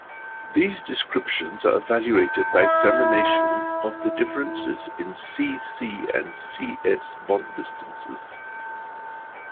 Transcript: These descriptions are evaluated by examination of differences in C-C and C-S bond distances.